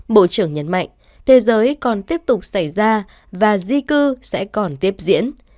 bộ trưởng nhấn mạnh thế giới còn tiếp tục xảy ra và di cư sẽ còn tiếp diễn